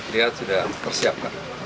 lihat sudah tersiapkan